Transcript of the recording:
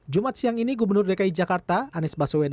jumat siang ini gubernur dki jakarta anies baswedan